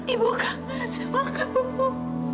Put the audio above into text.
ibu kagak ngerjap akabu